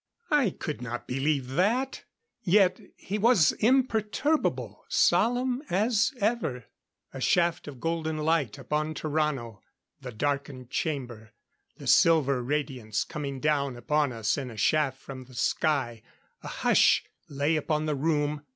I could not believe that; yet, he was imperturbable, solemn as ever. A shaft of golden light upon Tarrano. The darkened chamber. The silver radiance coming down upon us in a shaft from the sky. A hush lay upon the room.